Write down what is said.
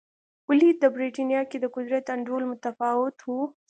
ولې د برېټانیا کې د قدرت انډول متفاوت و.